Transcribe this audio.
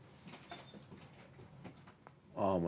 ああお前